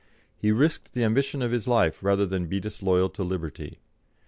He risked the ambition of his life rather than be disloyal to liberty.